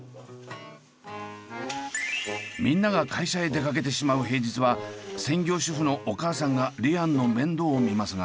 みんなが会社へ出かけてしまう平日は専業主婦のお母さんがリアンの面倒を見ますが。